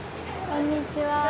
こんにちは！